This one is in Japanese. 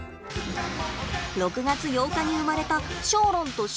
６月８日に生まれたショーロンとシューマイ。